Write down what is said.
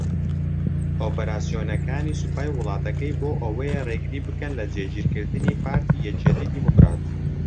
ئۆپەراسیۆنەکانی سوپای وڵاتەکەی بۆ ئەوەیە رێگری بکەن لە جێگیرکردنی پارتی یەکێتی دیموکرات